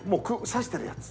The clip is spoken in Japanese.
刺してるやつ。